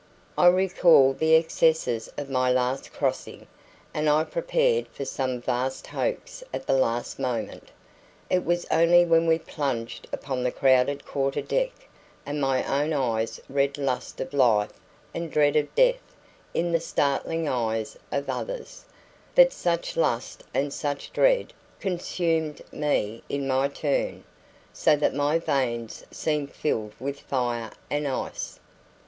I recalled the excesses of my last crossing, and I prepared for some vast hoax at the last moment. It was only when we plunged upon the crowded quarter deck, and my own eyes read lust of life and dread of death in the starting eyes of others, that such lust and such dread consumed me in my turn, so that my veins seemed filled with fire and ice.